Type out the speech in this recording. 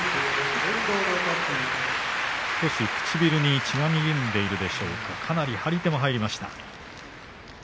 少し唇に血がにじんでいるでしょうか、かなり張り手も入りました。